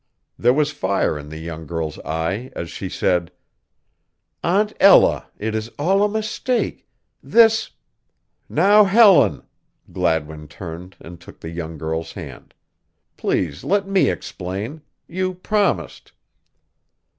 There was fire in the young girl's eye as she said: "Aunt Ella, it is all a mistake, this" "Now, Helen," Gladwin turned and took the young girl's hand, "please let me explain. You promised."